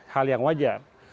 hal yang wajar